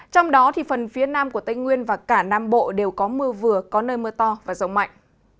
trong đó phần phía nam của tây nguyên và cả nam bộ đều có mưa vừa có nơi mưa to và rông mạnh